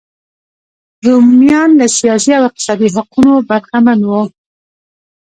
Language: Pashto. رومیان له سیاسي او اقتصادي حقونو برخمن وو.